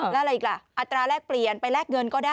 แล้วอะไรอีกล่ะอัตราแรกเปลี่ยนไปแลกเงินก็ได้